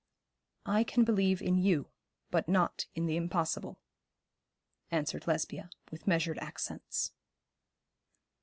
'I can believe in you, but not in the impossible,' answered Lesbia, with measured accents.